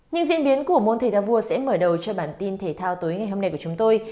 những diễn biến của môn thể thao vua sẽ mở đầu cho bản tin thể thao tối ngày hôm nay của chúng tôi